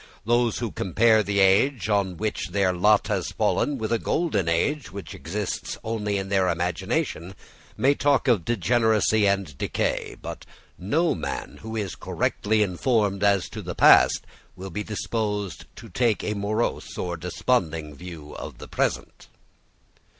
Those who compare the age on which their lot has fallen with a golden age which exists only in their imagination may talk of degeneracy and decay: but no man who is correctly informed as to the past will be disposed to take a morose or desponding view of the present.